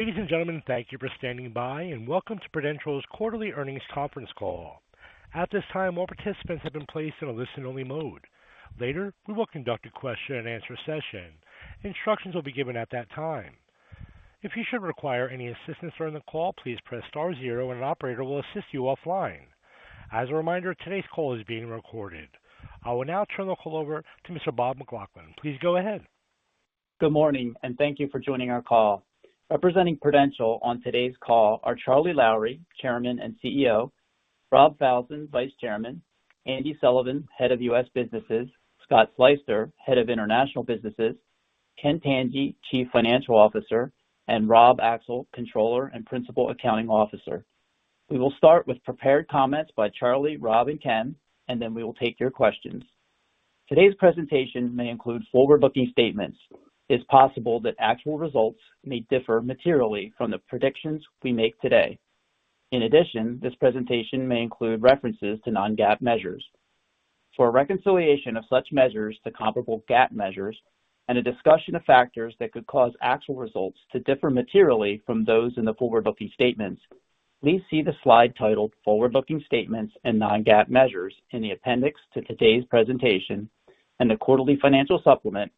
Ladies and gentlemen, thank you for standing by, and welcome to Prudential's Quarterly Earnings Conference Call. At this time, all participants have been placed in a listen-only mode. Later, we will conduct a question-and-answer session. Instructions will be given at that time. If you should require any assistance during the call, please press star zero and an operator will assist you offline. As a reminder, today's call is being recorded. I will now turn the call over to Mr. Bob McLaughlin. Please go ahead. Good morning, and thank you for joining our call. Representing Prudential on today's call are Charlie Lowrey, Chairman and CEO, Rob Falzon, Vice Chairman, Andy Sullivan, Head of U.S. Businesses, Scott Sleyster, Head of International Businesses, Ken Tanji, Chief Financial Officer, and Rob Axel, Controller and Principal Accounting Officer. We will start with prepared comments by Charlie, Rob, and Ken, and then we will take your questions. Today's presentation may include forward-looking statements. It's possible that actual results may differ materially from the predictions we make today. In addition, this presentation may include references to non-GAAP measures. For a reconciliation of such measures to comparable GAAP measures and a discussion of factors that could cause actual results to differ materially from those in the forward-looking statements, please see the slide titled Forward-Looking Statements and Non-GAAP Measures in the appendix to today's presentation and the quarterly financial supplement,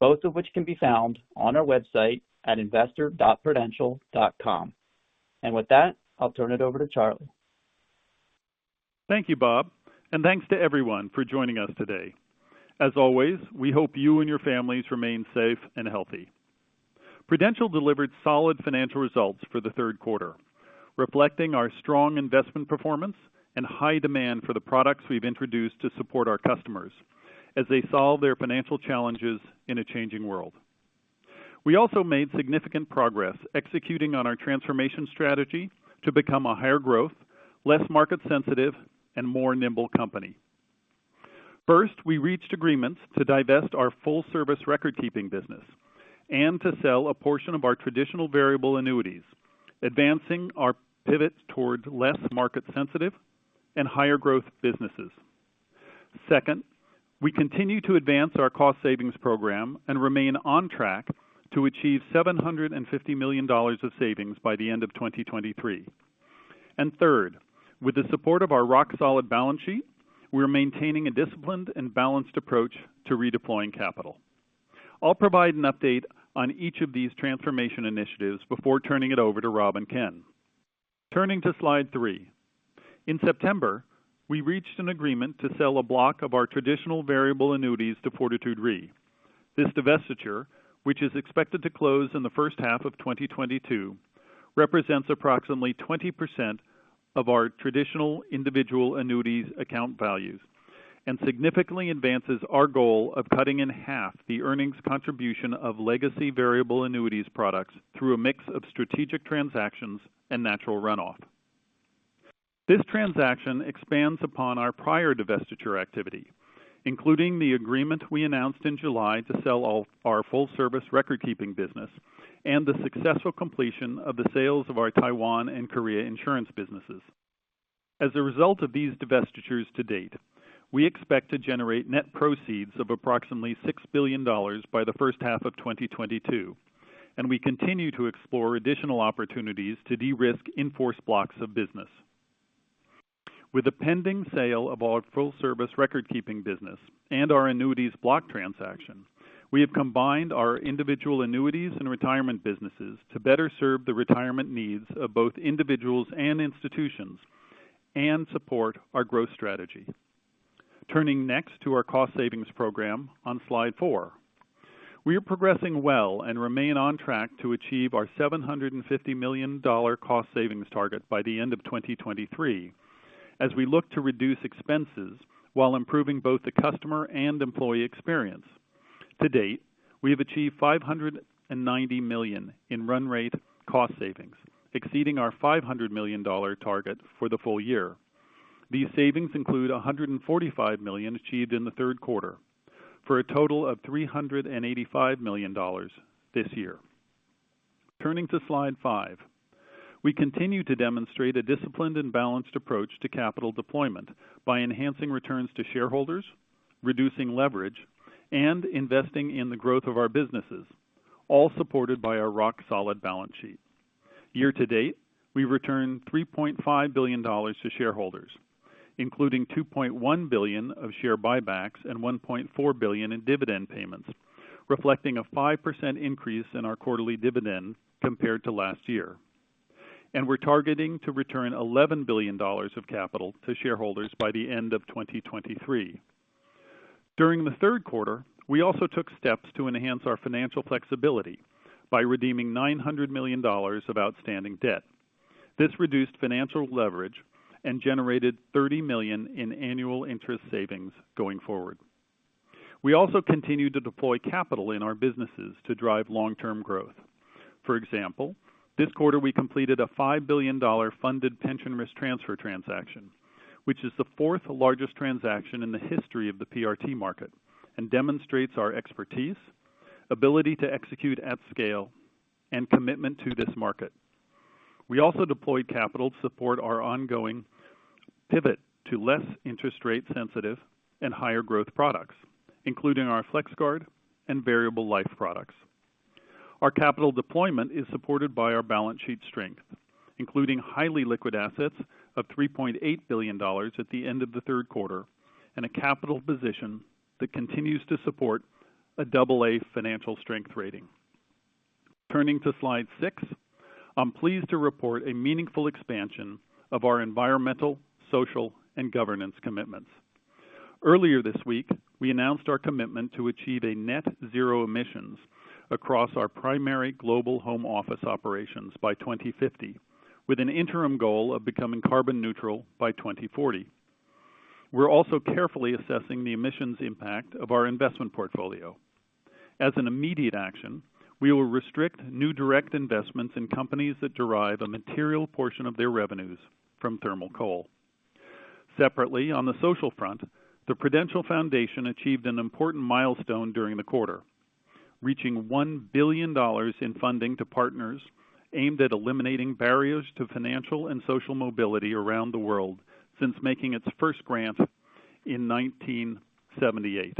both of which can be found on our website at investor.prudential.com. With that, I'll turn it over to Charlie. Thank you, Bob, and thanks to everyone for joining us today. As always, we hope you and your families remain safe and healthy. Prudential delivered solid financial results for the third quarter, reflecting our strong investment performance and high demand for the products we've introduced to support our customers as they solve their financial challenges in a changing world. We also made significant progress executing on our transformation strategy to become a higher growth, less market sensitive, and more nimble company. First, we reached agreements to divest our full-service record-keeping business and to sell a portion of our traditional variable annuities, advancing our pivot towards less market sensitive and higher growth businesses. Second, we continue to advance our cost savings program and remain on track to achieve $750 million of savings by the end of 2023. Third, with the support of our rock-solid balance sheet, we're maintaining a disciplined and balanced approach to redeploying capital. I'll provide an update on each of these transformation initiatives before turning it over to Rob and Ken. Turning to slide 3. In September, we reached an agreement to sell a block of our traditional variable annuities to Fortitude Re. This divestiture, which is expected to close in the first half of 2022, represents approximately 20% of our traditional individual annuities account values, and significantly advances our goal of cutting in half the earnings contribution of legacy variable annuities products through a mix of strategic transactions and natural runoff. This transaction expands upon our prior divestiture activity, including the agreement we announced in July to sell all our full-service record-keeping business and the successful completion of the sales of our Taiwan and Korea insurance businesses. As a result of these divestitures to date, we expect to generate net proceeds of approximately $6 billion by the first half of 2022, and we continue to explore additional opportunities to de-risk in-force blocks of business. With the pending sale of our full-service record-keeping business and our annuities block transaction, we have combined our individual annuities and retirement businesses to better serve the retirement needs of both individuals and institutions and support our growth strategy. Turning next to our cost savings program on slide four. We are progressing well and remain on track to achieve our $750 million cost savings target by the end of 2023 as we look to reduce expenses while improving both the customer and employee experience. To date, we have achieved $590 million in run rate cost savings, exceeding our $500 million target for the full year. These savings include $145 million achieved in the third quarter, for a total of $385 million this year. Turning to slide 5. We continue to demonstrate a disciplined and balanced approach to capital deployment by enhancing returns to shareholders, reducing leverage, and investing in the growth of our businesses, all supported by our rock-solid balance sheet. Year to date, we returned $3.5 billion to shareholders, including $2.1 billion of share buybacks and $1.4 billion in dividend payments, reflecting a 5% increase in our quarterly dividend compared to last year. We're targeting to return $11 billion of capital to shareholders by the end of 2023. During the third quarter, we also took steps to enhance our financial flexibility by redeeming $900 million of outstanding debt. This reduced financial leverage and generated $30 million in annual interest savings going forward. We also continue to deploy capital in our businesses to drive long-term growth. For example, this quarter we completed a $5 billion funded pension risk transfer transaction, which is the fourth largest transaction in the history of the PRT market and demonstrates our expertise, ability to execute at scale, and commitment to this market. We also deployed capital to support our ongoing pivot to less interest rate sensitive and higher growth products, including our FlexGuard and variable life products. Our capital deployment is supported by our balance sheet strength, including highly liquid assets of $3.8 billion at the end of the third quarter, and a capital position that continues to support a double-A financial strength rating. Turning to slide 6, I'm pleased to report a meaningful expansion of our environmental, social, and governance commitments. Earlier this week, we announced our commitment to achieve net zero emissions across our primary global home office operations by 2050, with an interim goal of becoming carbon neutral by 2040. We're also carefully assessing the emissions impact of our investment portfolio. As an immediate action, we will restrict new direct investments in companies that derive a material portion of their revenues from thermal coal. Separately, on the social front, The Prudential Foundation achieved an important milestone during the quarter, reaching $1 billion in funding to partners aimed at eliminating barriers to financial and social mobility around the world since making its first grant in 1978.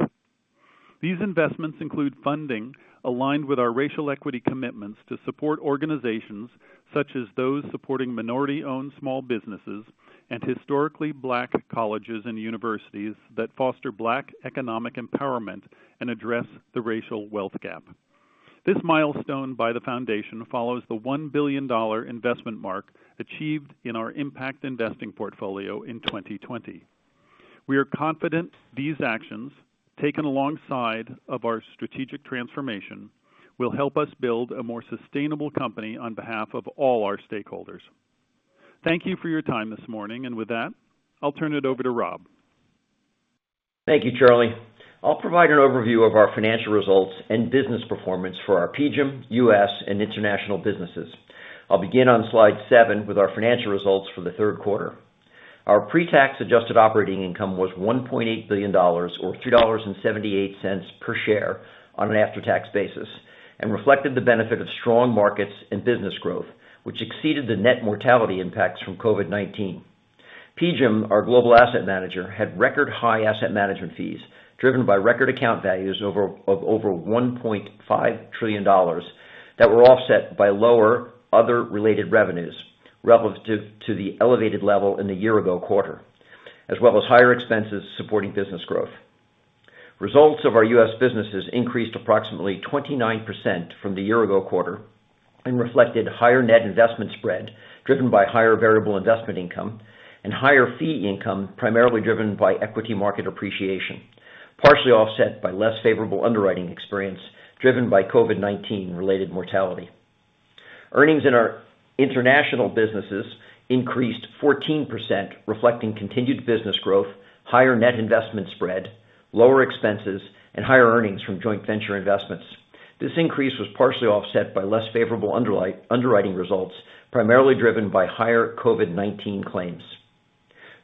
These investments include funding aligned with our racial equity commitments to support organizations such as those supporting minority-owned small businesses and historically black colleges and universities that foster black economic empowerment and address the racial wealth gap. This milestone by the foundation follows the $1 billion investment mark achieved in our impact investing portfolio in 2020. We are confident these actions, taken alongside of our strategic transformation, will help us build a more sustainable company on behalf of all our stakeholders. Thank you for your time this morning. With that, I'll turn it over to Rob. Thank you, Charlie. I'll provide an overview of our financial results and business performance for our PGIM, U.S., and international businesses. I'll begin on slide seven with our financial results for the third quarter. Our pre-tax adjusted operating income was $1.8 billion or $2.78 per share on an after-tax basis, and reflected the benefit of strong markets and business growth, which exceeded the net mortality impacts from COVID-19. PGIM, our global asset manager, had record-high asset management fees driven by record account values of over $1.5 trillion that were offset by lower other related revenues relative to the elevated level in the year-ago quarter, as well as higher expenses supporting business growth. Results of our U.S. businesses increased approximately 29% from the year-ago quarter and reflected higher net investment spread, driven by higher variable investment income and higher fee income primarily driven by equity market appreciation, partially offset by less favorable underwriting experience driven by COVID-19 related mortality. Earnings in our international businesses increased 14%, reflecting continued business growth, higher net investment spread, lower expenses, and higher earnings from joint venture investments. This increase was partially offset by less favorable underwriting results, primarily driven by higher COVID-19 claims.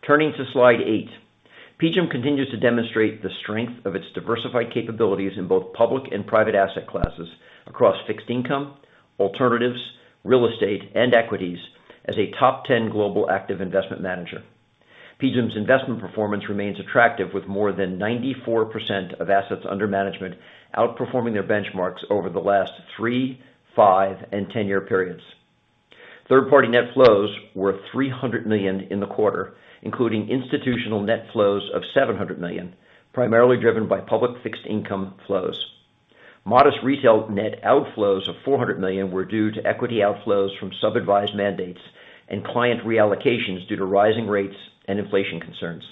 Turning to slide 8, PGIM continues to demonstrate the strength of its diversified capabilities in both public and private asset classes across fixed income, alternatives, real estate, and equities as a top 10 global active investment manager. PGIM's investment performance remains attractive, with more than 94% of assets under management outperforming their benchmarks over the last 3-, 5-, and 10-year periods. Third-party net flows were $300 million in the quarter, including institutional net flows of $700 million, primarily driven by public fixed income flows. Modest retail net outflows of $400 million were due to equity outflows from sub-advised mandates and client reallocations due to rising rates and inflation concerns.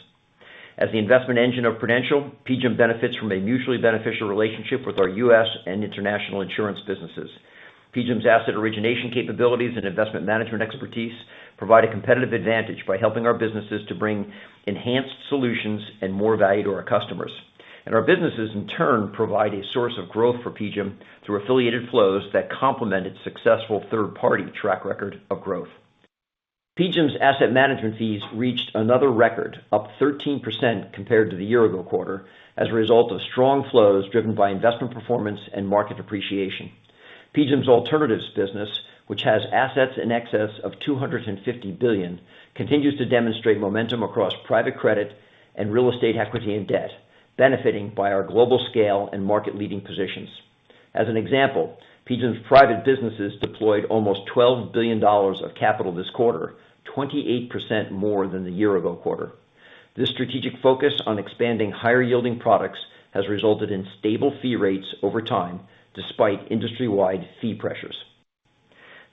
As the investment engine of Prudential, PGIM benefits from a mutually beneficial relationship with our U.S. and international insurance businesses. PGIM's asset origination capabilities and investment management expertise provide a competitive advantage by helping our businesses to bring enhanced solutions and more value to our customers. Our businesses, in turn, provide a source of growth for PGIM through affiliated flows that complement its successful third-party track record of growth. PGIM's asset management fees reached another record, up 13% compared to the year ago quarter as a result of strong flows driven by investment performance and market appreciation. PGIM's alternatives business, which has assets in excess of $250 billion, continues to demonstrate momentum across private credit and real estate equity and debt, benefiting by our global scale and market-leading positions. As an example, PGIM's private businesses deployed almost $12 billion of capital this quarter, 28% more than the year ago quarter. This strategic focus on expanding higher yielding products has resulted in stable fee rates over time despite industry-wide fee pressures.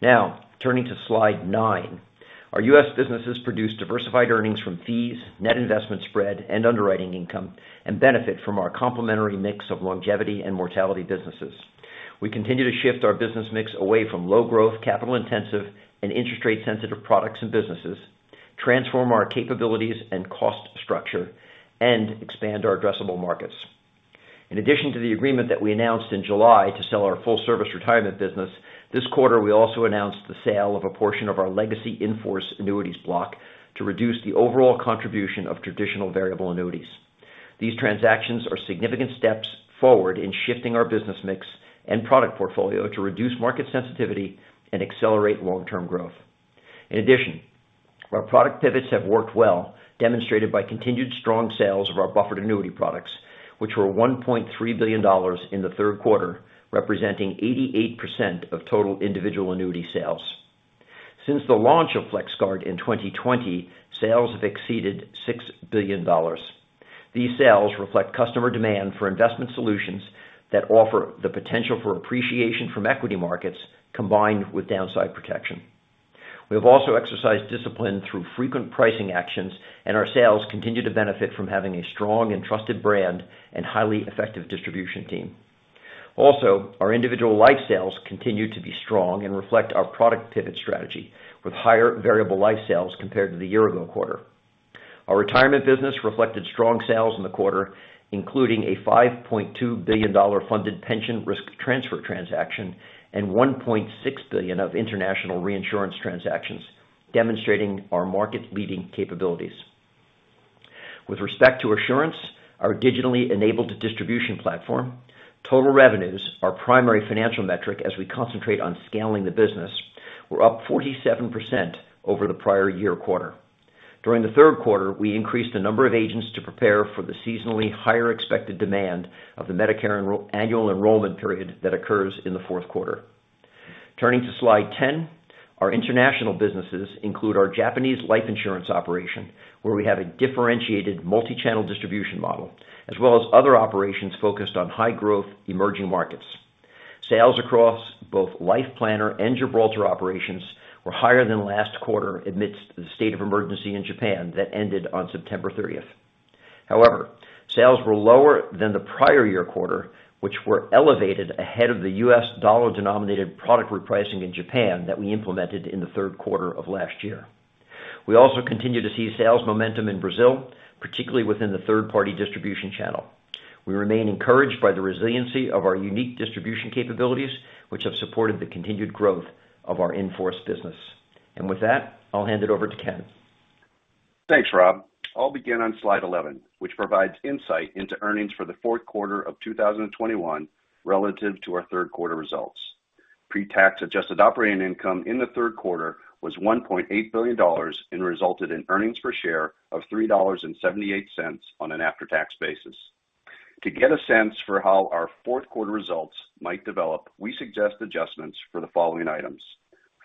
Now, turning to slide 9. Our U.S. businesses produce diversified earnings from fees, net investment spread, and underwriting income and benefit from our complementary mix of longevity and mortality businesses. We continue to shift our business mix away from low growth, capital intensive, and interest rate sensitive products and businesses, transform our capabilities and cost structure, and expand our addressable markets. In addition to the agreement that we announced in July to sell our full service retirement business, this quarter, we also announced the sale of a portion of our legacy in-force annuities block to reduce the overall contribution of traditional variable annuities. These transactions are significant steps forward in shifting our business mix and product portfolio to reduce market sensitivity and accelerate long-term growth. In addition, our product pivots have worked well, demonstrated by continued strong sales of our buffered annuity products, which were $1.3 billion in the third quarter, representing 88% of total individual annuity sales. Since the launch of FlexGuard in 2020, sales have exceeded $6 billion. These sales reflect customer demand for investment solutions that offer the potential for appreciation from equity markets combined with downside protection. We have also exercised discipline through frequent pricing actions, and our sales continue to benefit from having a strong and trusted brand and highly effective distribution team. Also, our individual life sales continue to be strong and reflect our product pivot strategy with higher variable life sales compared to the year ago quarter. Our retirement business reflected strong sales in the quarter, including a $5.2 billion funded pension risk transfer transaction and $1.6 billion of international reinsurance transactions, demonstrating our market-leading capabilities. With respect to Assurance, our digitally enabled distribution platform, total revenues, our primary financial metric as we concentrate on scaling the business, were up 47% over the prior year quarter. During the third quarter, we increased the number of agents to prepare for the seasonally higher expected demand of the Medicare annual enrollment period that occurs in the fourth quarter. Turning to slide 10. Our international businesses include our Japanese life insurance operation, where we have a differentiated multi-channel distribution model, as well as other operations focused on high-growth emerging markets. Sales across both Life Planner and Gibraltar Life operations were higher than last quarter amidst the state of emergency in Japan that ended on September 30. However, sales were lower than the prior year quarter, which were elevated ahead of the U.S. dollar-denominated product repricing in Japan that we implemented in the third quarter of last year. We also continue to see sales momentum in Brazil, particularly within the third-party distribution channel. We remain encouraged by the resiliency of our unique distribution capabilities, which have supported the continued growth of our in-force business. With that, I'll hand it over to Ken. Thanks, Rob. I'll begin on slide 11, which provides insight into earnings for the fourth quarter of 2021 relative to our third quarter results. Pre-tax adjusted operating income in the third quarter was $1.8 billion and resulted in earnings per share of $3.78 on an after-tax basis. To get a sense for how our fourth quarter results might develop, we suggest adjustments for the following items.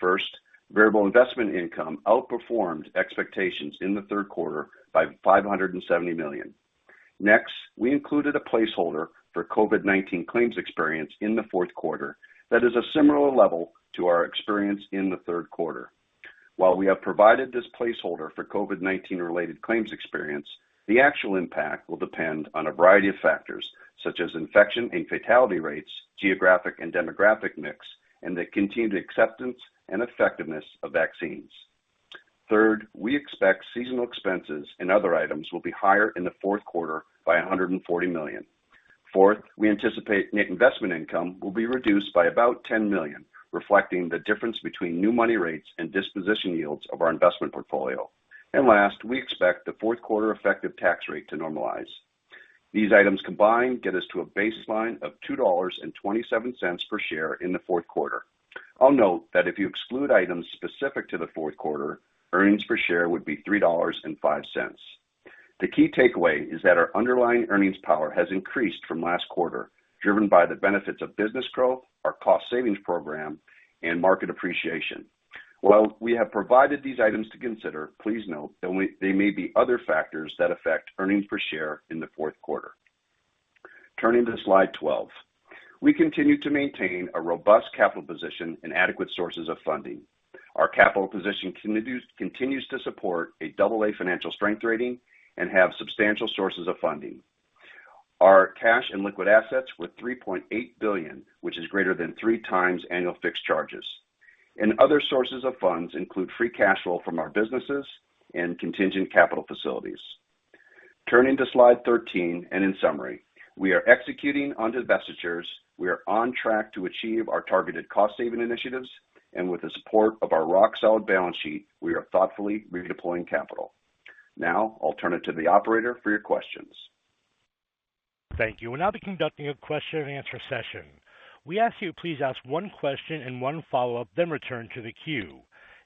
First, variable investment income outperformed expectations in the third quarter by $570 million. Next, we included a placeholder for COVID-19 claims experience in the fourth quarter that is a similar level to our experience in the third quarter. While we have provided this placeholder for COVID-19 related claims experience, the actual impact will depend on a variety of factors such as infection and fatality rates, geographic and demographic mix, and the continued acceptance and effectiveness of vaccines. Third, we expect seasonal expenses and other items will be higher in the fourth quarter by $140 million. Fourth, we anticipate net investment income will be reduced by about $10 million, reflecting the difference between new money rates and disposition yields of our investment portfolio. Last, we expect the fourth quarter effective tax rate to normalize. These items combined get us to a baseline of $2.27 per share in the fourth quarter. I'll note that if you exclude items specific to the fourth quarter, earnings per share would be $3.05. The key takeaway is that our underlying earnings power has increased from last quarter, driven by the benefits of business growth, our cost savings program, and market appreciation. While we have provided these items to consider, please note that we, there may be other factors that affect earnings per share in the fourth quarter. Turning to slide 12. We continue to maintain a robust capital position and adequate sources of funding. Our capital position continues to support a double-A financial strength rating and have substantial sources of funding. Our cash and liquid assets were $3.8 billion, which is greater than 3 times annual fixed charges. Other sources of funds include free cash flow from our businesses and contingent capital facilities. Turning to slide 13, in summary, we are executing on divestitures. We are on track to achieve our targeted cost-saving initiatives. With the support of our rock-solid balance sheet, we are thoughtfully redeploying capital. Now I'll turn it to the operator for your questions. Thank you. We'll now be conducting a question and answer session. We ask you please ask one question and one follow-up, then return to the queue.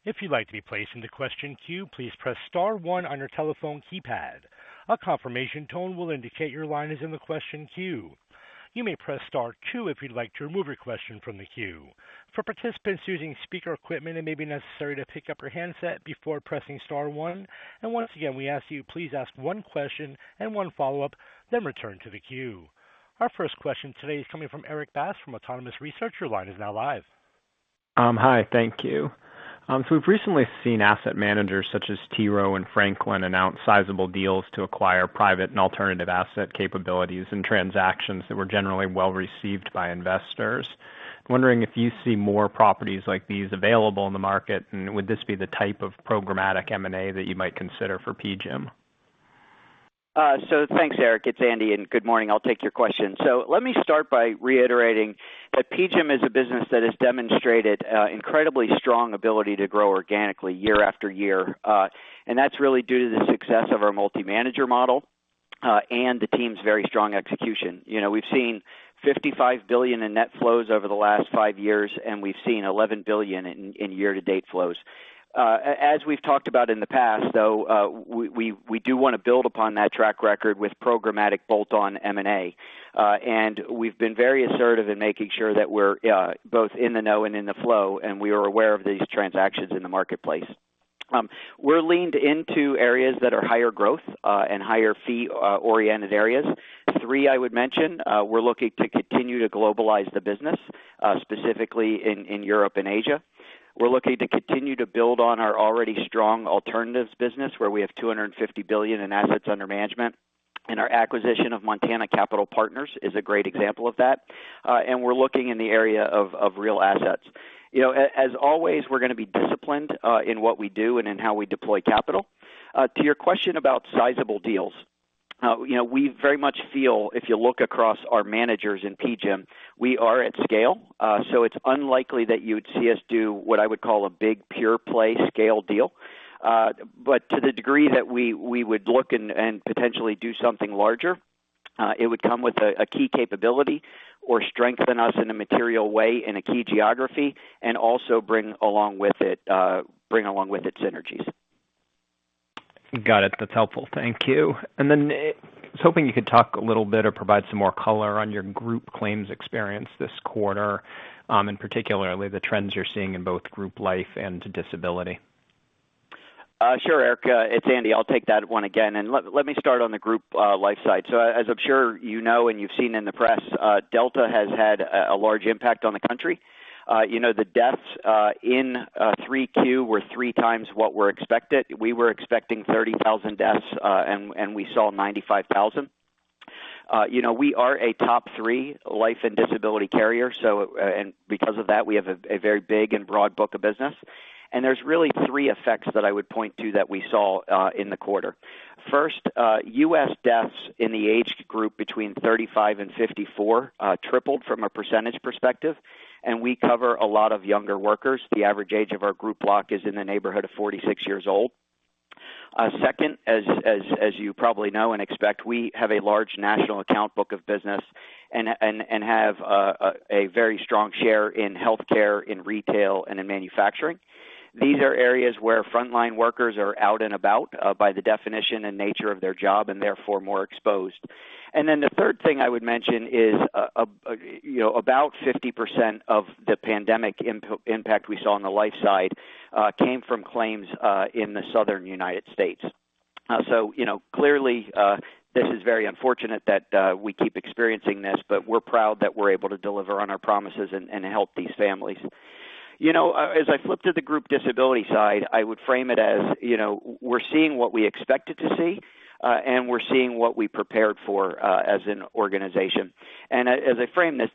If you'd like to be placed in the question queue, please press star one on your telephone keypad. A confirmation tone will indicate your line is in the question queue. You may press star two if you'd like to remove your question from the queue. For participants using speaker equipment, it may be necessary to pick up your handset before pressing star one. Once again, we ask you please ask one question and one follow-up, then return to the queue. Our first question today is coming from Erik Bass from Autonomous Research. Your line is now live. Hi. Thank you. We've recently seen asset managers such as T. Rowe and Franklin announce sizable deals to acquire private and alternative asset capabilities and transactions that were generally well received by investors. I'm wondering if you see more properties like these available in the market, and would this be the type of programmatic M&A that you might consider for PGIM? Thanks, Erik. It's Andy, and good morning. I'll take your question. Let me start by reiterating that PGIM is a business that has demonstrated incredibly strong ability to grow organically year after year, and that's really due to the success of our multi-manager model. The team's very strong execution. You know, we've seen $55 billion in net flows over the last five years, and we've seen $11 billion in year-to-date flows. As we've talked about in the past, though, we do wanna build upon that track record with programmatic bolt-on M&A. We've been very assertive in making sure that we're both in the know and in the flow, and we are aware of these transactions in the marketplace. We're leaned into areas that are higher growth and higher fee oriented areas. Three I would mention, we're looking to continue to globalize the business, specifically in Europe and Asia. We're looking to continue to build on our already strong alternatives business, where we have $250 billion in assets under management, and our acquisition of Montana Capital Partners is a great example of that. We're looking in the area of real assets. You know, as always, we're gonna be disciplined in what we do and in how we deploy capital. To your question about sizable deals, you know, we very much feel if you look across our managers in PGIM, we are at scale. It's unlikely that you would see us do what I would call a big pure play scale deal. To the degree that we would look and potentially do something larger, it would come with a key capability or strengthen us in a material way in a key geography, and also bring along with it synergies. Got it. That's helpful. Thank you. I was hoping you could talk a little bit or provide some more color on your group claims experience this quarter, and particularly the trends you're seeing in both group life and disability. Sure, Erik. It's Andy. I'll take that one again. Let me start on the group life side. So as I'm sure you know and you've seen in the press, Delta has had a large impact on the country. You know, the deaths in 2022 were three times what were expected. We were expecting 30,000 deaths, and we saw 95,000. You know, we are a top three life and disability carrier, so and because of that, we have a very big and broad book of business. There's really three effects that I would point to that we saw in the quarter. First, U.S. deaths in the age group between 35 and 54 tripled from a percentage perspective, and we cover a lot of younger workers. The average age of our group block is in the neighborhood of 46 years old. Second, as you probably know and expect, we have a large national account book of business and have a very strong share in healthcare, in retail, and in manufacturing. These are areas where frontline workers are out and about by the definition and nature of their job, and therefore more exposed. The third thing I would mention is, you know, about 50% of the pandemic impact we saw on the life side came from claims in the Southern United States. You know, clearly, this is very unfortunate that we keep experiencing this, but we're proud that we're able to deliver on our promises and help these families. You know, as I flip to the group disability side, I would frame it as, you know, we're seeing what we expected to see, and we're seeing what we prepared for, as an organization. As I frame this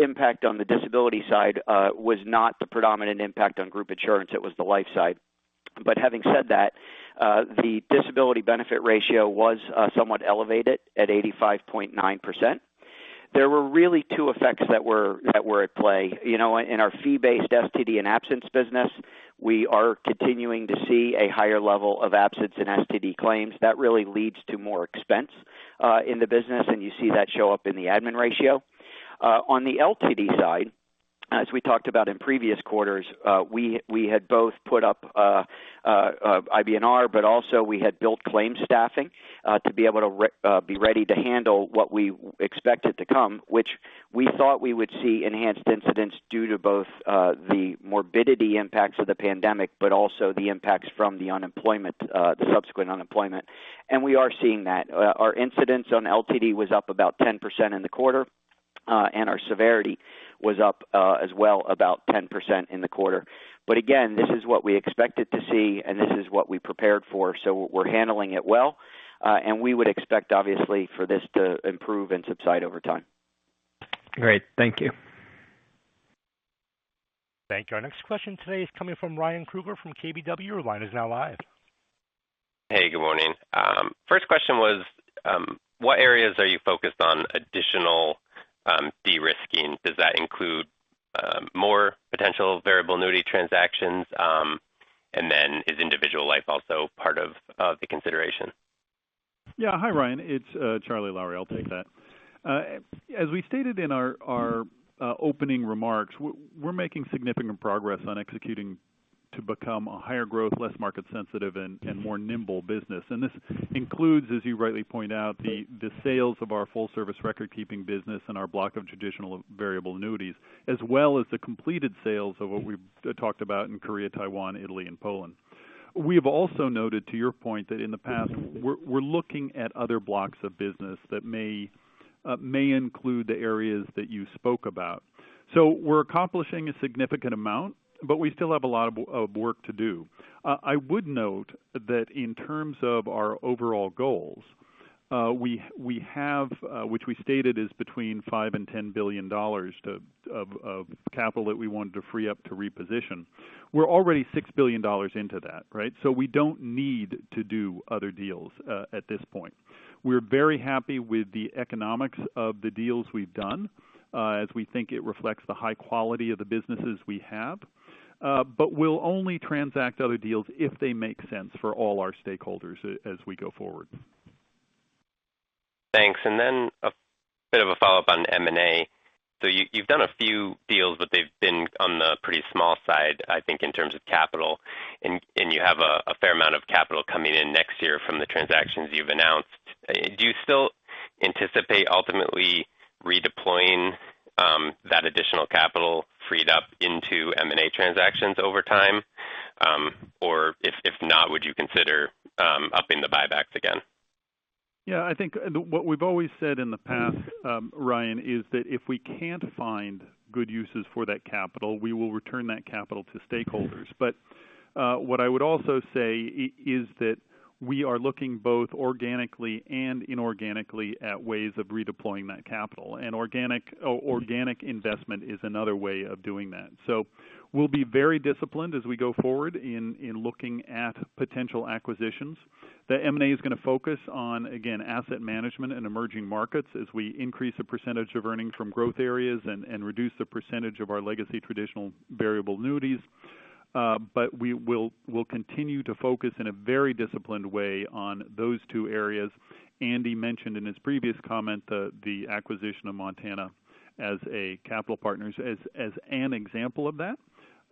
impact on the disability side, it was not the predominant impact on group insurance. It was the life side. Having said that, the disability benefit ratio was somewhat elevated at 85.9%. There were really two effects that were at play. You know, in our fee-based STD and absence business, we are continuing to see a higher level of absence in STD claims. That really leads to more expense in the business, and you see that show up in the admin ratio. On the LTD side, as we talked about in previous quarters, we had both put up IBNR, but also we had built claim staffing to be able to be ready to handle what we expected to come, which we thought we would see enhanced incidence due to both the morbidity impacts of the pandemic, but also the impacts from the unemployment, the subsequent unemployment. We are seeing that. Our incidence on LTD was up about 10% in the quarter, and our severity was up as well about 10% in the quarter. This is what we expected to see, and this is what we prepared for, we're handling it well. We would expect, obviously, for this to improve and subside over time. Great. Thank you. Thank you. Our next question today is coming from Ryan Krueger from KBW. Your line is now live. Hey, good morning. First question was, what areas are you focused on additional de-risking? Does that include more potential variable annuity transactions? Is individual life also part of the consideration? Yeah. Hi, Ryan. It's Charlie Lowrey. I'll take that. As we stated in our opening remarks, we're making significant progress on executing to become a higher growth, less market sensitive and more nimble business. This includes, as you rightly point out, the sales of our full service record-keeping business and our block of traditional variable annuities, as well as the completed sales of what we've talked about in Korea, Taiwan, Italy, and Poland. We have also noted, to your point, that in the past, we're looking at other blocks of business that may include the areas that you spoke about. We're accomplishing a significant amount, but we still have a lot of work to do. I would note that in terms of our overall goals, we have, which we stated is between $5 billion and $10 billion of capital that we wanted to free up to reposition. We're already $6 billion into that, right? We don't need to do other deals at this point. We're very happy with the economics of the deals we've done, as we think it reflects the high quality of the businesses we have. We'll only transact other deals if they make sense for all our stakeholders as we go forward. Thanks. A bit of a follow-up on M&A. You, you've done a few deals, but they've been on the pretty small side, I think, in terms of capital. You have a fair amount of capital coming in next year from the transactions you've announced. Do you still anticipate ultimately redeploying that additional capital freed up into M&A transactions over time? If not, would you consider upping the buybacks again? Yeah, I think what we've always said in the past, Ryan, is that if we can't find good uses for that capital, we will return that capital to stakeholders. What I would also say is that we are looking both organically and inorganically at ways of redeploying that capital. Organic investment is another way of doing that. We'll be very disciplined as we go forward in looking at potential acquisitions. The M&A is going to focus on, again, asset management and emerging markets as we increase the percentage of earnings from growth areas and reduce the percentage of our legacy traditional variable annuities. We'll continue to focus in a very disciplined way on those two areas. Andy mentioned in his previous comment, the acquisition of Montana Capital Partners as an example of that.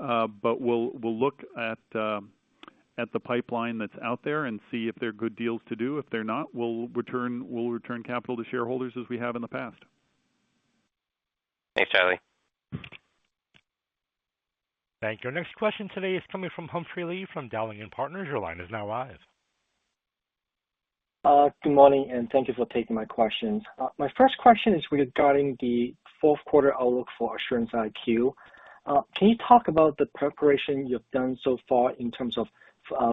We'll look at the pipeline that's out there and see if there are good deals to do. If they're not, we'll return capital to shareholders as we have in the past. Thanks, Charlie. Thank you. Our next question today is coming from Humphrey Lee from Dowling & Partners. Your line is now live. Good morning, and thank you for taking my questions. My first question is regarding the fourth quarter outlook for Assurance IQ. Can you talk about the preparation you've done so far in terms of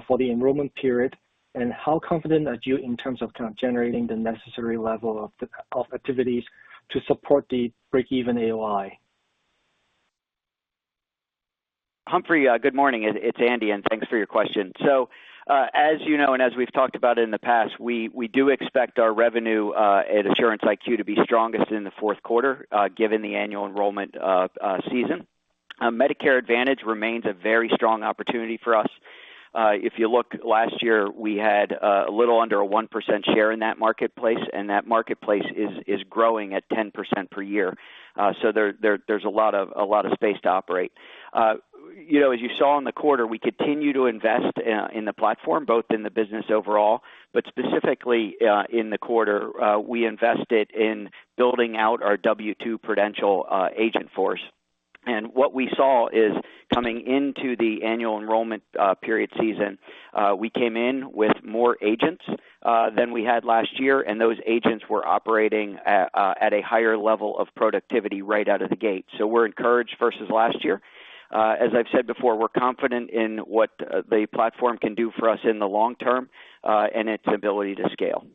for the enrollment period, and how confident are you in terms of kind of generating the necessary level of activities to support the break-even AOI? Humphrey, good morning. It's Andy, and thanks for your question. As you know, and as we've talked about in the past, we do expect our revenue at Assurance IQ to be strongest in the fourth quarter, given the annual enrollment season. Medicare Advantage remains a very strong opportunity for us. If you look last year, we had a little under a 1% share in that marketplace, and that marketplace is growing at 10% per year. There's a lot of space to operate. You know, as you saw in the quarter, we continue to invest in the platform, both in the business overall, but specifically, in the quarter, we invested in building out our W-2 Prudential agent force. What we saw is coming into the annual enrollment period season, we came in with more agents than we had last year, and those agents were operating at a higher level of productivity right out of the gate. We're encouraged versus last year. As I've said before, we're confident in what the platform can do for us in the long term, and its ability to scale.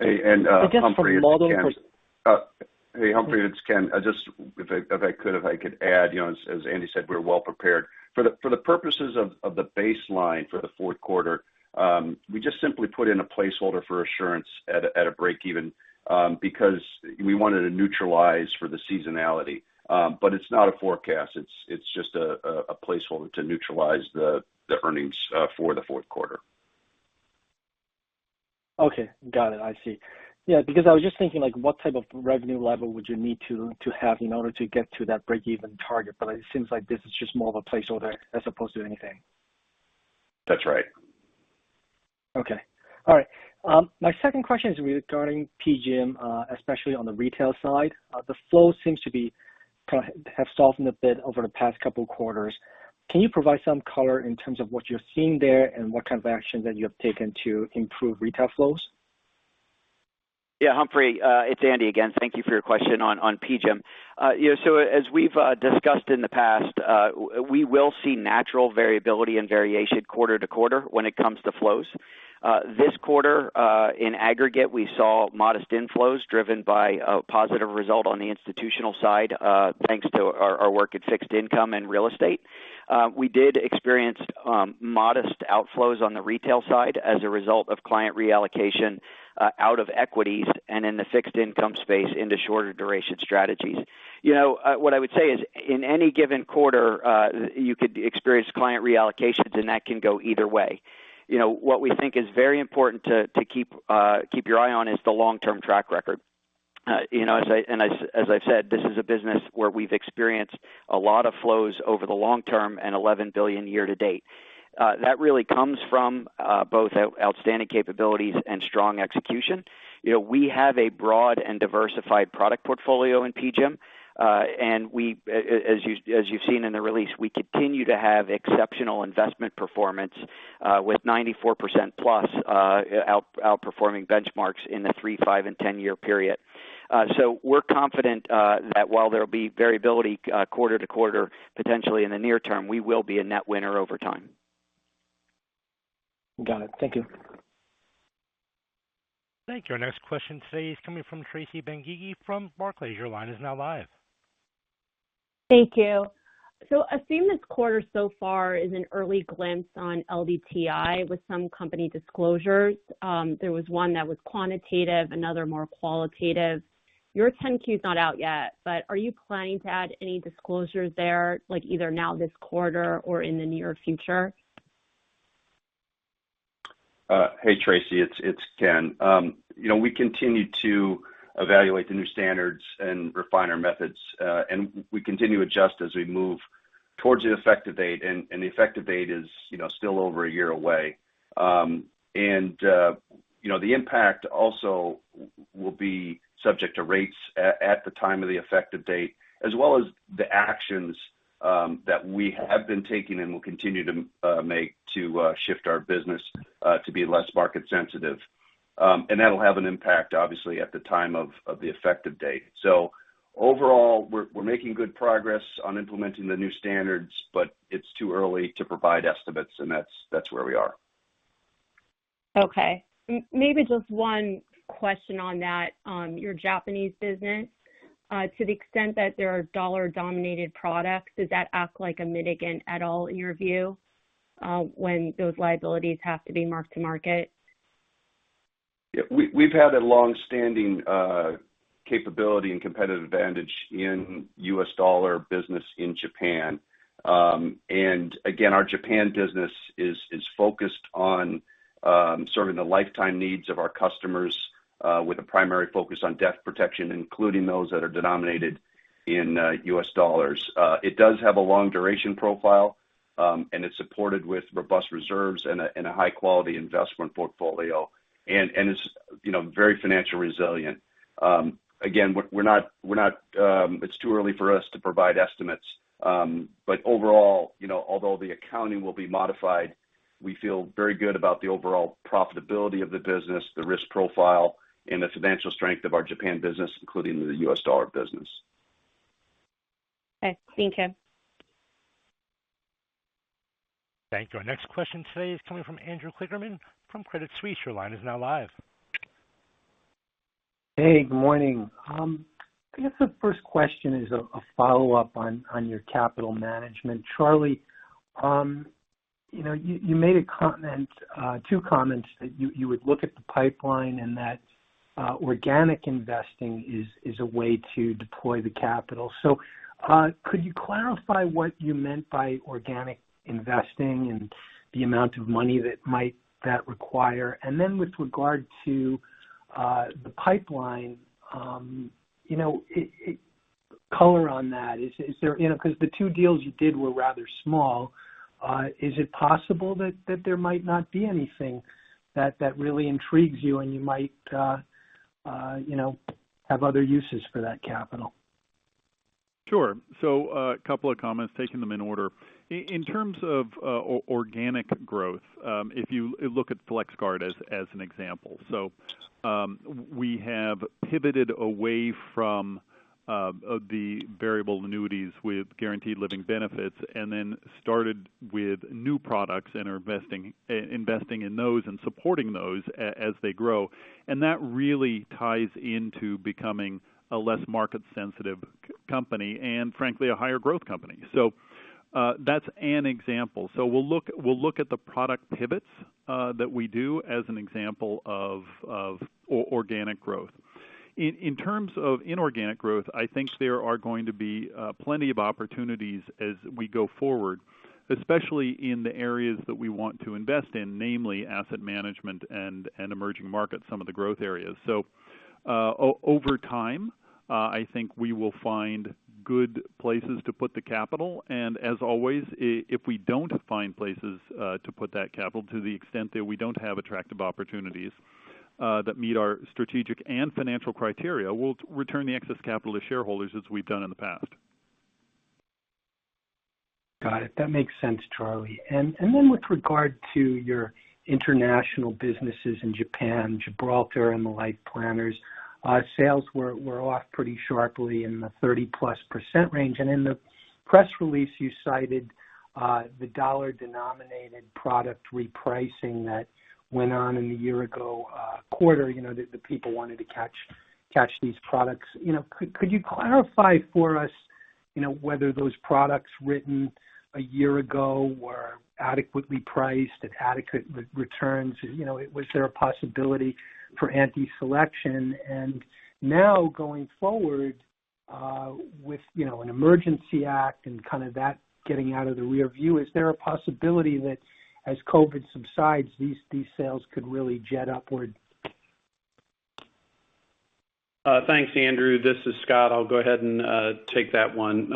Just for modeling pur- Hey, Humphrey, it's Ken. If I could add, you know, as Andy said, we're well prepared. For the purposes of the baseline for the fourth quarter, we just simply put in a placeholder for Assurance at a break even, because we wanted to neutralize for the seasonality. But it's not a forecast, it's just a placeholder to neutralize the earnings for the fourth quarter. Okay. Got it. I see. Yeah, because I was just thinking, like, what type of revenue level would you need to have in order to get to that break-even target, but it seems like this is just more of a placeholder as opposed to anything. That's right. Okay. All right. My second question is regarding PGIM, especially on the retail side. The flow seems to have softened a bit over the past couple quarters. Can you provide some color in terms of what you're seeing there and what kind of actions that you have taken to improve retail flows? Yeah, Humphrey, it's Andy again. Thank you for your question on PGIM. You know, as we've discussed in the past, we will see natural variability and variation quarter to quarter when it comes to flows. This quarter, in aggregate, we saw modest inflows driven by a positive result on the institutional side, thanks to our work in fixed income and real estate. We did experience modest outflows on the retail side as a result of client reallocation out of equities and in the fixed income space into shorter duration strategies. You know, what I would say is in any given quarter, you could experience client reallocations, and that can go either way. You know, what we think is very important to keep your eye on is the long-term track record. You know, as I've said, this is a business where we've experienced a lot of flows over the long term and $11 billion year to date. That really comes from both outstanding capabilities and strong execution. You know, we have a broad and diversified product portfolio in PGIM, and as you've seen in the release, we continue to have exceptional investment performance with 94% plus outperforming benchmarks in the three-, five-, and 10-year period. We're confident that while there'll be variability quarter to quarter, potentially in the near term, we will be a net winner over time. Got it. Thank you. Thank you. Our next question today is coming from Tracy Benguigui from Barclays. Your line is now live. Thank you. I've seen this quarter so far is an early glimpse on LDTI with some company disclosures. There was one that was quantitative, another more qualitative. Your 10-Q is not out yet, but are you planning to add any disclosures there, like either now this quarter or in the near future? Hey, Tracy, it's Ken. You know, we continue to evaluate the new standards and refine our methods. We continue to adjust as we move towards the effective date. The effective date is, you know, still over a year away. You know, the impact also will be subject to rates at the time of the effective date, as well as the actions that we have been taking and will continue to make to shift our business to be less market sensitive. That'll have an impact, obviously, at the time of the effective date. Overall, we're making good progress on implementing the new standards, but it's too early to provide estimates. That's where we are. Okay. Maybe just one question on that. Your Japanese business, to the extent that there are dollar-denominated products, does that act like a mitigant at all in your view, when those liabilities have to be marked to market? Yeah. We've had a long-standing capability and competitive advantage in U.S. dollar business in Japan. Again, our Japan business is focused on serving the lifetime needs of our customers with a primary focus on debt protection, including those that are denominated in U.S. dollars. It does have a long duration profile, and it's supported with robust reserves and a high quality investment portfolio. It's, you know, very financially resilient. Again, we're not. It's too early for us to provide estimates. Overall, you know, although the accounting will be modified, we feel very good about the overall profitability of the business, the risk profile, and the financial strength of our Japan business, including the U.S. dollar business. Okay. Thank you. Thank you. Our next question today is coming from Andrew Kligerman from Credit Suisse. Your line is now live. Hey, good morning. I guess the first question is a follow-up on your capital management. Charlie, you know, you made a comment, two comments that you would look at the pipeline and that organic investing is a way to deploy the capital. Could you clarify what you meant by organic investing and the amount of money that might require? And then with regard to the pipeline, you know, a little color on that. Is there, you know, because the two deals you did were rather small, is it possible that there might not be anything that really intrigues you and you might, you know, have other uses for that capital? Sure. A couple of comments, taking them in order. In terms of organic growth, if you look at FlexGuard as an example. We have pivoted away from the variable annuities with guaranteed living benefits, and then started with new products and are investing in those and supporting those as they grow. That really ties into becoming a less market sensitive company and frankly, a higher growth company. That's an example. We'll look at the product pivots that we do as an example of organic growth. In terms of inorganic growth, I think there are going to be plenty of opportunities as we go forward, especially in the areas that we want to invest in, namely asset management and emerging markets, some of the growth areas. Over time, I think we will find good places to put the capital. As always, if we don't find places to put that capital to the extent that we don't have attractive opportunities that meet our strategic and financial criteria, we'll return the excess capital to shareholders as we've done in the past. Got it. That makes sense, Charlie. With regard to your international businesses in Japan, Gibraltar, and the Life Planners, sales were off pretty sharply in the 30%+ range. In the press release, you cited the dollar-denominated product repricing that went on in the year-ago quarter. You know, the people wanted to catch these products. You know, could you clarify for us, you know, whether those products written a year ago were adequately priced at adequate returns? You know, was there a possibility for anti-selection? Now going forward, with you know, an Emergency Act and kind of that getting out of the rear view, is there a possibility that as COVID subsides, these sales could really jet upward? Thanks, Andrew. This is Scott. I'll go ahead and take that one.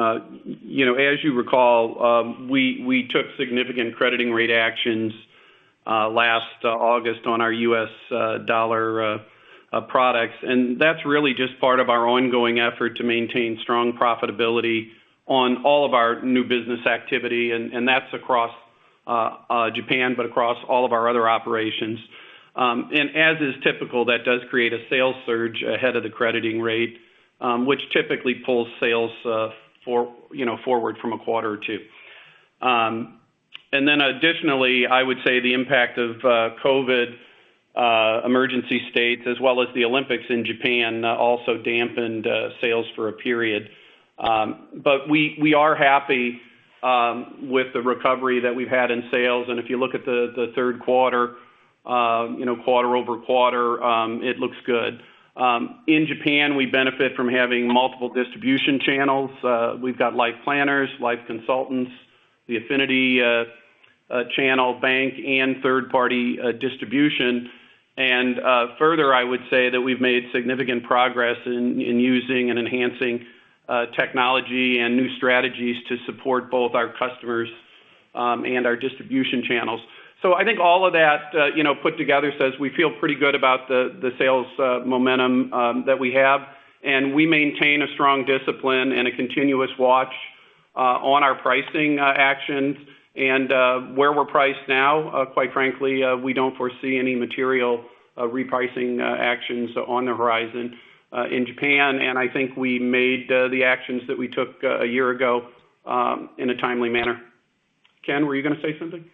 You know, as you recall, we took significant crediting rate actions last August on our U.S. dollar products. That's really just part of our ongoing effort to maintain strong profitability on all of our new business activity. That's across Japan, but across all of our other operations. As is typical, that does create a sales surge ahead of the crediting rate, which typically pulls sales forward from a quarter or two. Additionally, I would say the impact of COVID emergency states as well as the Olympics in Japan also dampened sales for a period. We are happy with the recovery that we've had in sales. If you look at the third quarter, you know, quarter-over-quarter, it looks good. In Japan, we benefit from having multiple distribution channels. We've got Life Planners, life consultants, the affinity channel bank and third-party distribution. Further, I would say that we've made significant progress in using and enhancing technology and new strategies to support both our customers and our distribution channels. I think all of that, you know, put together says we feel pretty good about the sales momentum that we have, and we maintain a strong discipline and a continuous watch on our pricing actions and where we're priced now. Quite frankly, we don't foresee any material repricing actions on the horizon in Japan. I think we made the actions that we took a year ago in a timely manner. Ken, were you going to say something?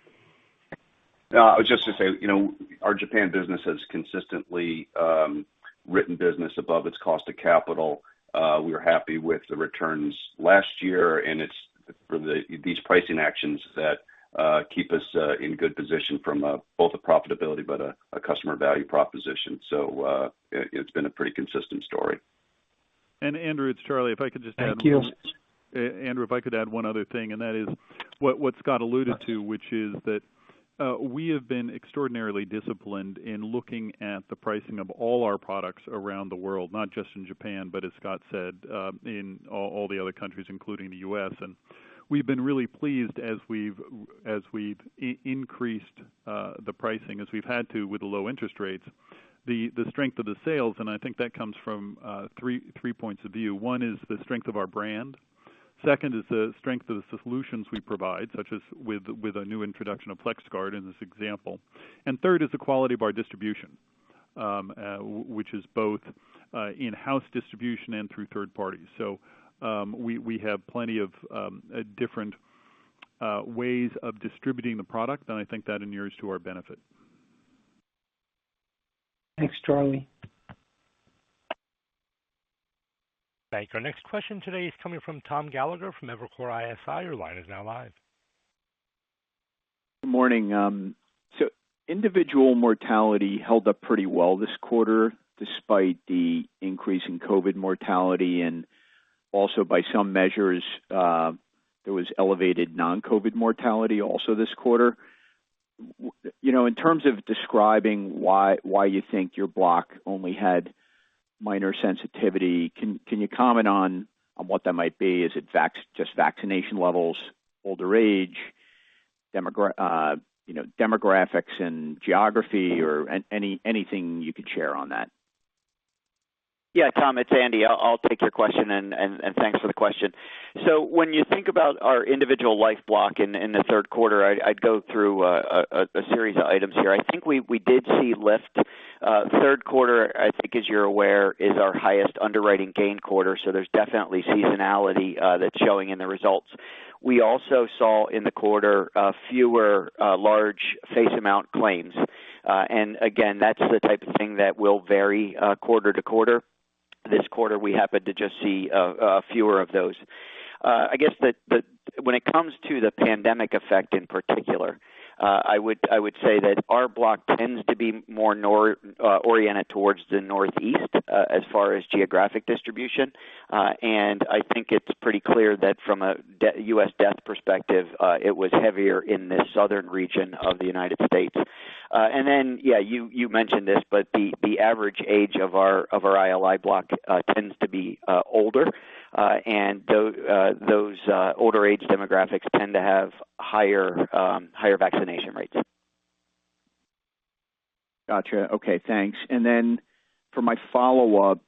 No. I was just going to say, you know, our Japan business has consistently written business above its cost of capital. We are happy with the returns last year, and it's these pricing actions that keep us in good position for both profitability and customer value proposition. It's been a pretty consistent story. Andrew, it's Charlie, if I could just add one- Thank you. Andrew, if I could add one other thing, and that is what Scott alluded to, which is that, we have been extraordinarily disciplined in looking at the pricing of all our products around the world, not just in Japan, but as Scott said, in all the other countries, including the U.S. We've been really pleased as we've increased the pricing as we've had to with the low interest rates, the strength of the sales, and I think that comes from three points of view. One is the strength of our brand. Second is the strength of the solutions we provide, such as with a new introduction of FlexGuard in this example. Third is the quality of our distribution, which is both in-house distribution and through third parties. We have plenty of different ways of distributing the product, and I think that inures to our benefit. Thanks, Charlie. Thank you. Our next question today is coming from Tom Gallagher from Evercore ISI. Your line is now live. Good morning. Individual mortality held up pretty well this quarter, despite the increase in COVID mortality and also by some measures, there was elevated non-COVID mortality also this quarter. You know, in terms of describing why you think your block only had minor sensitivity, can you comment on what that might be? Is it just vaccination levels, older age, demographics and geography or anything you could share on that? Yeah, Tom, it's Andy. I'll take your question, and thanks for the question. When you think about our individual life block in the third quarter, I'd go through a series of items here. I think we did see lift. Third quarter, I think as you're aware, is our highest underwriting gain quarter, so there's definitely seasonality that's showing in the results. We also saw in the quarter a fewer large face amount claims. Again, that's the type of thing that will vary quarter to quarter. This quarter, we happened to just see a fewer of those. I guess when it comes to the pandemic effect in particular, I would say that our block tends to be more oriented towards the Northeast, as far as geographic distribution. I think it's pretty clear that from a U.S. death perspective, it was heavier in the southern region of the United States. You mentioned this, but the average age of our ILI block tends to be older, and those older age demographics tend to have higher vaccination rates. Got you. Okay, thanks. For my follow-up,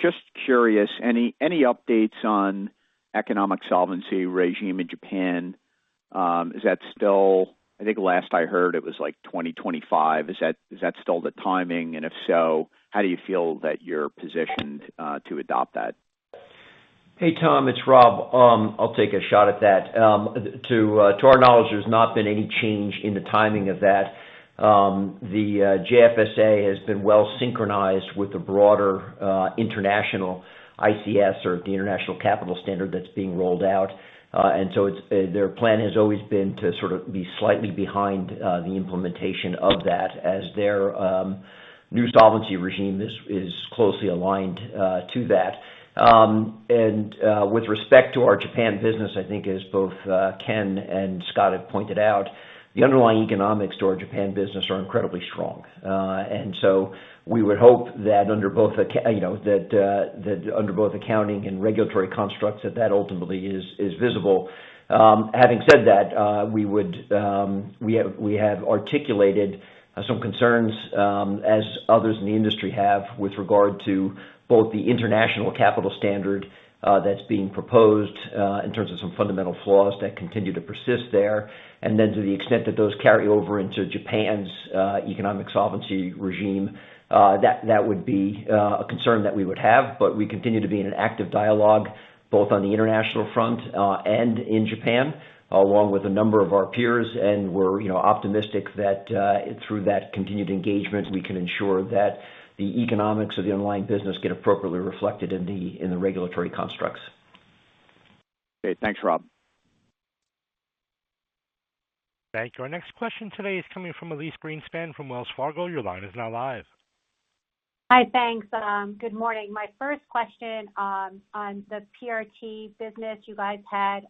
just curious, any updates on economic solvency regime in Japan? Is that still? I think last I heard it was like 2025. Is that still the timing? And if so, how do you feel that you're positioned to adopt that? Hey, Tom, it's Rob. I'll take a shot at that. To our knowledge, there's not been any change in the timing of that. The JFSA has been well synchronized with the broader Insurance ICS or the Insurance Capital Standard that's being rolled out. It's their plan has always been to sort of be slightly behind the implementation of that as their new solvency regime is closely aligned to that. With respect to our Japan business, I think as both Ken and Scott have pointed out, the underlying economics of our Japan business are incredibly strong. We would hope that, you know, under both accounting and regulatory constructs, that ultimately is visible. Having said that, we have articulated some concerns, as others in the industry have with regard to both the Insurance Capital Standard that's being proposed, in terms of some fundamental flaws that continue to persist there. To the extent that those carry over into Japan's economic solvency regime, that would be a concern that we would have. We continue to be in an active dialogue, both on the international front, and in Japan, along with a number of our peers. We're, you know, optimistic that, through that continued engagement, we can ensure that the economics of the underlying business get appropriately reflected in the regulatory constructs. Okay, thanks, Rob. Thank you. Our next question today is coming from Elyse Greenspan from Wells Fargo. Your line is now live. Hi. Thanks. Good morning. My first question on the PRT business, you guys had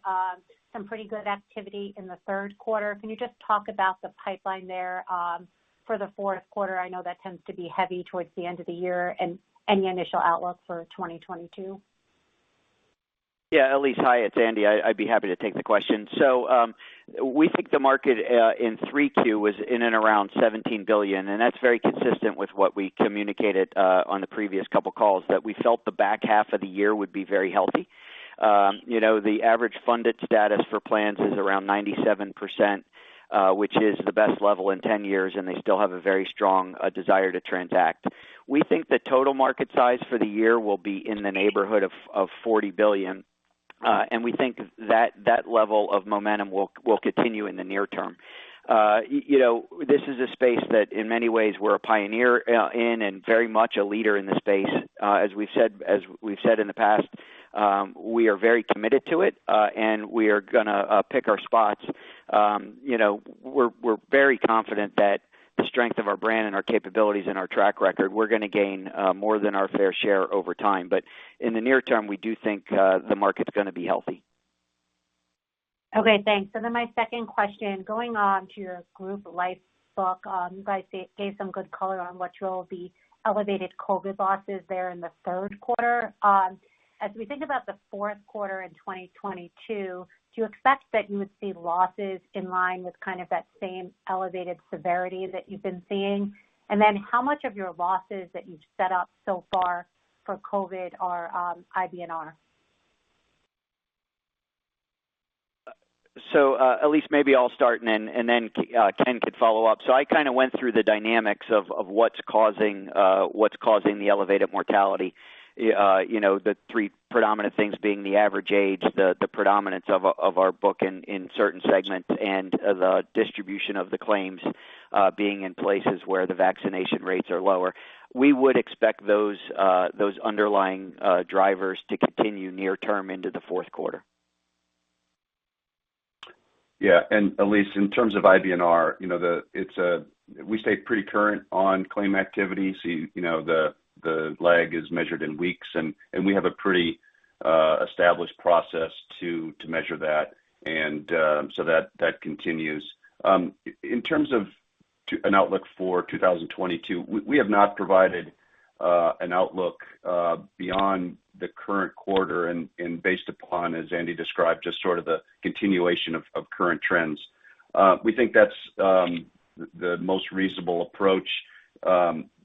some pretty good activity in the third quarter. Can you just talk about the pipeline there for the fourth quarter? I know that tends to be heavy towards the end of the year. The initial outlook for 2022. Yeah. Elise, hi, it's Andy. I'd be happy to take the question. We think the market in 3Q was in and around $17 billion, and that's very consistent with what we communicated on the previous couple calls, that we felt the back half of the year would be very healthy. You know, the average funded status for plans is around 97%, which is the best level in 10 years, and they still have a very strong desire to transact. We think the total market size for the year will be in the neighborhood of $40 billion. We think that level of momentum will continue in the near term. You know, this is a space that in many ways we're a pioneer in and very much a leader in the space. As we've said in the past, we are very committed to it, and we are gonna pick our spots. You know, we're very confident that the strength of our brand and our capabilities and our track record, we're gonna gain more than our fair share over time. In the near term, we do think the market's gonna be healthy. Okay, thanks. Then my second question, going on to your Group Life book. You guys gave some good color on what your losses will be elevated COVID losses there in the third quarter. As we think about the fourth quarter in 2022, do you expect that you would see losses in line with kind of that same elevated severity that you've been seeing? How much of your losses that you've set up so far for COVID are IBNR? Elyse, maybe I'll start and then Ken could follow up. I kind of went through the dynamics of what's causing the elevated mortality. You know, the three predominant things being the average age, the predominance of our book in certain segments, and the distribution of the claims being in places where the vaccination rates are lower. We would expect those underlying drivers to continue near term into the fourth quarter. Yeah. Elyse, in terms of IBNR, you know, we stay pretty current on claim activity. You know, the lag is measured in weeks, and we have a pretty established process to measure that. That continues. In terms of an outlook for 2022, we have not provided an outlook beyond the current quarter and based upon, as Andy described, just sort of the continuation of current trends. We think that's the most reasonable approach.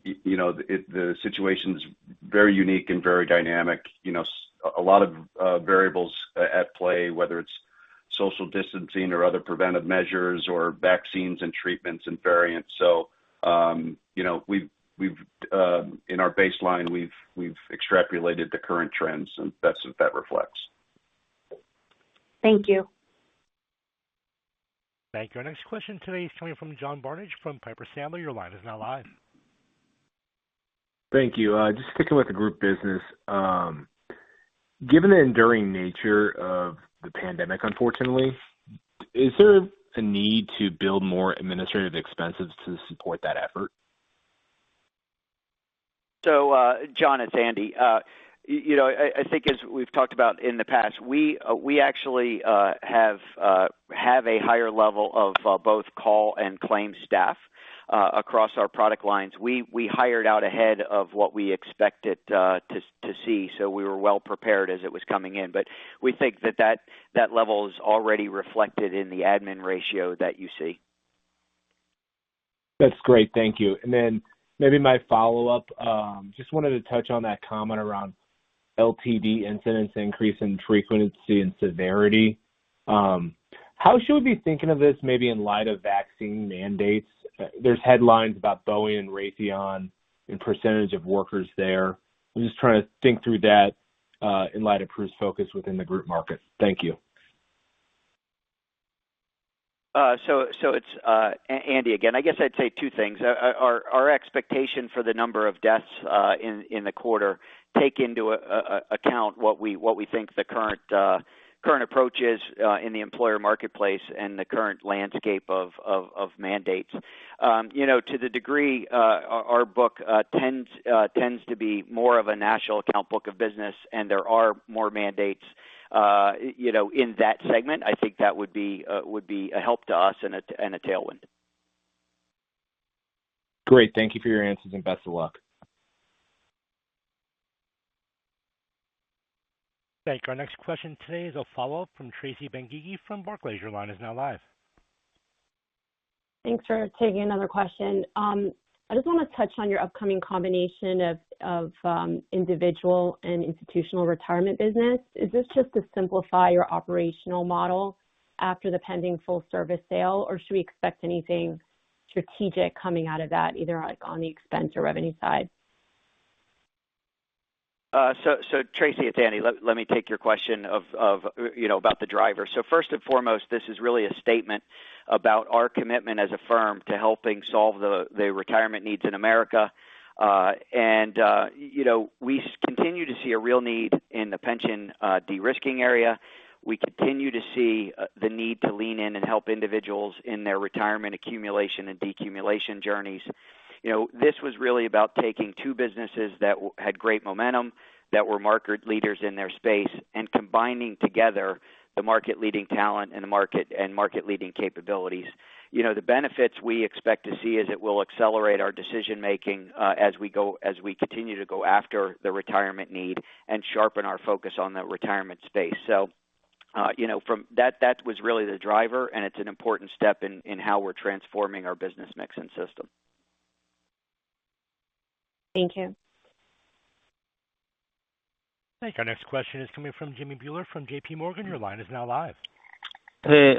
You know, the situation's very unique and very dynamic. You know, a lot of variables at play, whether it's social distancing or other preventive measures or vaccines and treatments and variants. you know, we've in our baseline, we've extrapolated the current trends, and that's what that reflects. Thank you. Thank you. Our next question today is coming from John Barnidge from Piper Sandler. Your line is now live. Thank you. Just sticking with the Group business. Given the enduring nature of the pandemic, unfortunately, is there a need to build more administrative expenses to support that effort? John, it's Andy. You know, I think as we've talked about in the past, we actually have a higher level of both call and claim staff across our product lines. We hired out ahead of what we expected to see, so we were well prepared as it was coming in. We think that level is already reflected in the admin ratio that you see. That's great. Thank you. Then maybe my follow-up, just wanted to touch on that comment around LTD incidence increase in frequency and severity. How should we be thinking of this maybe in light of vaccine mandates? There's headlines about Boeing and Raytheon and percentage of workers there. I'm just trying to think through that, in light of core focus within the Group market. Thank you. It's Andy again. I guess I'd say two things. Our expectation for the number of deaths in the quarter take into account what we think the current approach is in the employer marketplace and the current landscape of mandates. You know, to the degree our book tends to be more of a national account book of business, and there are more mandates in that segment, I think that would be a help to us and a tailwind. Great. Thank you for your answers, and best of luck. Thank you. Our next question today is a follow-up from Tracy Benguigui from Barclays. Your line is now live. Thanks for taking another question. I just want to touch on your upcoming combination of individual and institutional retirement business. Is this just to simplify your operational model after the pending full service sale, or should we expect anything strategic coming out of that, either, like, on the expense or revenue side? Tracy, it's Andy. Let me take your question of, you know, about the driver. First and foremost, this is really a statement about our commitment as a firm to helping solve the retirement needs in America. We continue to see a real need in the pension de-risking area. We continue to see the need to lean in and help individuals in their retirement accumulation and decumulation journeys. You know, this was really about taking two businesses that had great momentum, that were market leaders in their space, and combining together the market-leading talent and the market-leading capabilities. You know, the benefits we expect to see is it will accelerate our decision-making, as we continue to go after the retirement need and sharpen our focus on the retirement space. You know, that was really the driver, and it's an important step in how we're transforming our business mix and system. Thank you. Thank you. Our next question is coming from Jimmy Bhullar from JP Morgan. Your line is now live. Hey,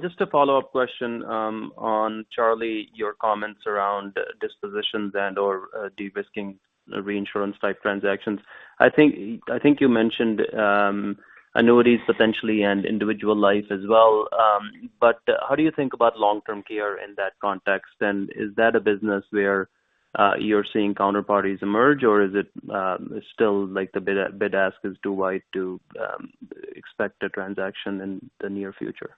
just a follow up question, on Charlie, your comments around dispositions and/or, de-risking reinsurance type transactions. I think you mentioned, annuities potentially and individual life as well, but how do you think about long-term care in that context? And is that a business where you're seeing counterparties emerge, or is it, still like the bid-ask is too wide to, expect a transaction in the near future?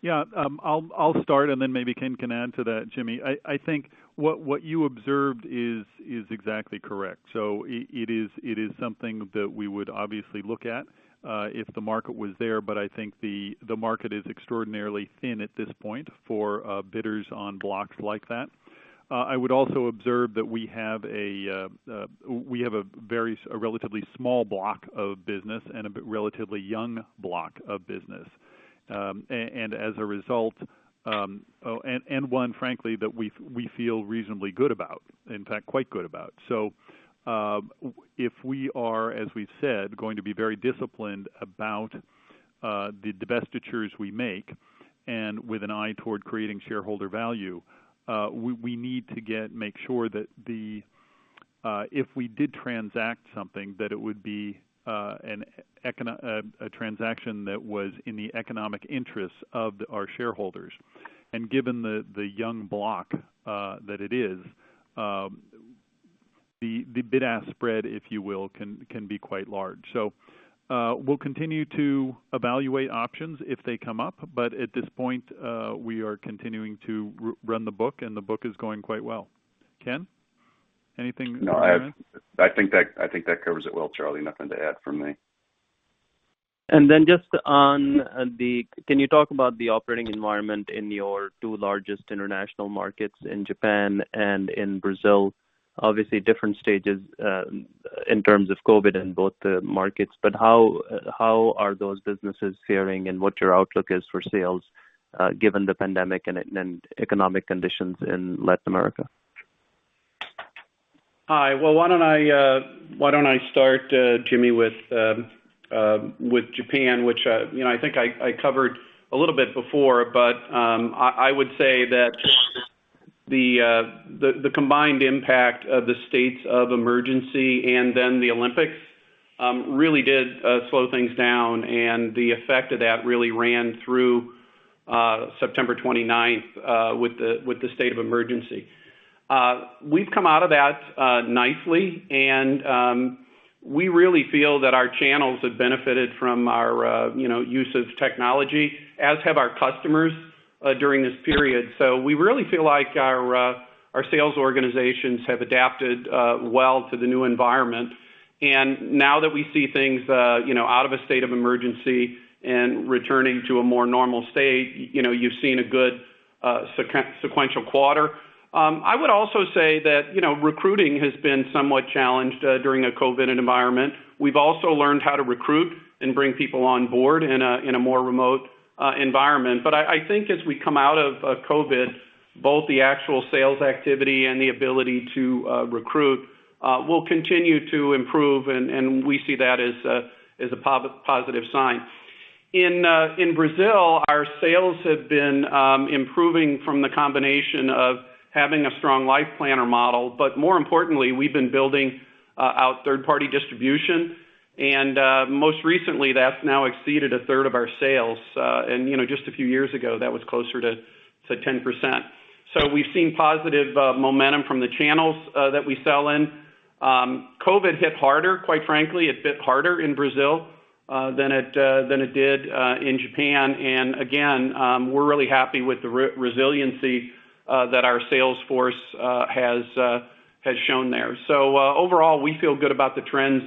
Yeah. I'll start and then maybe Ken can add to that, Jimmy. I think what you observed is exactly correct. It is something that we would obviously look at if the market was there. I think the market is extraordinarily thin at this point for bidders on blocks like that. I would also observe that we have a relatively small block of business and a bit relatively young block of business. As a result, one frankly that we feel reasonably good about, in fact, quite good about. If we are, as we said, going to be very disciplined about the divestitures we make and with an eye toward creating shareholder value, we need to get... Make sure that if we did transact something, that it would be a transaction that was in the economic interests of our shareholders. Given the young block that it is, the bid-ask spread, if you will, can be quite large. We'll continue to evaluate options if they come up, but at this point, we are continuing to run the book, and the book is going quite well. Ken, anything to add? No, I think that covers it well, Charlie. Nothing to add from me. Just on can you talk about the operating environment in your two largest international markets in Japan and in Brazil? Obviously, different stages in terms of COVID in both the markets. How are those businesses faring and what your outlook is for sales given the pandemic and economic conditions in Latin America? Hi. Well, why don't I start, Jimmy, with Japan, which you know, I think I covered a little bit before. I would say that the combined impact of the states of emergency and then the Olympics really did slow things down, and the effect of that really ran through September twenty-ninth with the state of emergency. We've come out of that nicely, and we really feel that our channels have benefited from our, you know, use of technology, as have our customers during this period. We really feel like our sales organizations have adapted well to the new environment. Now that we see things, you know, out of a state of emergency and returning to a more normal state, you know, you've seen a good sequential quarter. I would also say that, you know, recruiting has been somewhat challenged during a COVID environment. We've also learned how to recruit and bring people on board in a more remote environment. I think as we come out of COVID, both the actual sales activity and the ability to recruit will continue to improve, and we see that as a positive sign. In Brazil, our sales have been improving from the combination of having a strong Life Planner model, but more importantly, we've been building out third-party distribution, and most recently that's now exceeded a third of our sales. You know, just a few years ago, that was closer to 10%. We've seen positive momentum from the channels that we sell in. COVID hit harder, quite frankly. It hit harder in Brazil than it did in Japan. We're really happy with the resiliency that our sales force has shown there. Overall, we feel good about the trends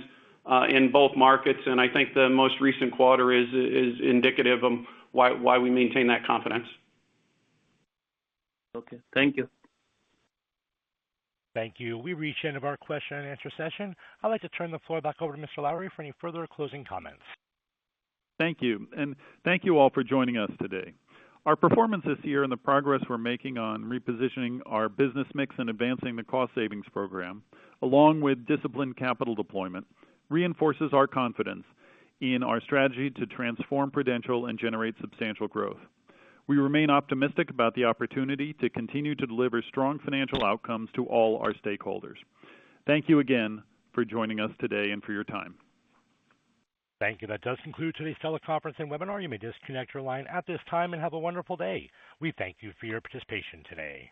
in both markets, and I think the most recent quarter is indicative of why we maintain that confidence. Okay. Thank you. Thank you. We've reached the end of our question and answer session. I'd like to turn the floor back over to Mr. Lowrey for any further closing comments. Thank you, and thank you all for joining us today. Our performance this year and the progress we're making on repositioning our business mix and advancing the cost savings program, along with disciplined capital deployment, reinforces our confidence in our strategy to transform Prudential and generate substantial growth. We remain optimistic about the opportunity to continue to deliver strong financial outcomes to all our stakeholders. Thank you again for joining us today and for your time. Thank you. That does conclude today's teleconference and webinar. You may disconnect your line at this time, and have a wonderful day. We thank you for your participation today.